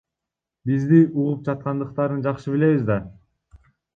Бизди угуп жаткандыктарын жакшы билебиз да.